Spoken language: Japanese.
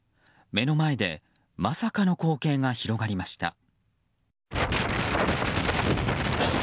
目の前でまさかの光景が広がりました。